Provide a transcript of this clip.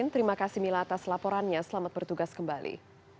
terima kasih mila atas laporannya selamat bertugas kembali